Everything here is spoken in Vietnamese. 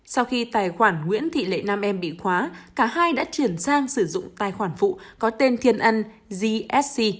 sau khi tài khoản nguyễn thị lệ nam em bị khóa cả hai đã chuyển sang sử dụng tài khoản phụ có tên thiên ăn gsc